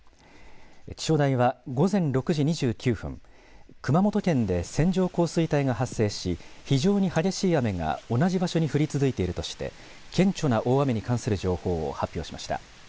気象台は午前６時２９分熊本県で線状降水帯が発生し非常に激しい雨が同じ場所に降り続いているとして顕著な大雨に関する情報を発表しました。